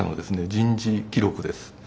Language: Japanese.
人事記録です。